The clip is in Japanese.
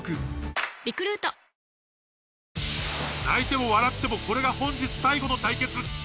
泣いても笑ってもこれが本日最後の対決！